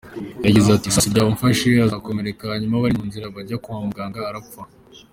Yagize ati “Isasu ryamufashe arakomereka hanyuma bari mu nzira bajya kwa muganga arapfa.